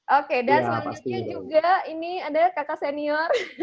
oke dan selanjutnya juga ini ada kakak senior